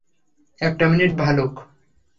একটা মিনিট, ভালুক।